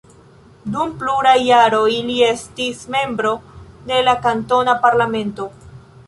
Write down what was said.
Dum pluraj jaroj li estis membro de la kantona parlamento.